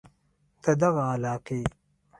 د دغه علاقې